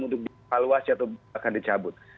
untuk divaluasi atau akan dicabut